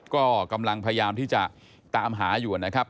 ก็กำลังพยายามที่จะตามหาอยู่นะครับ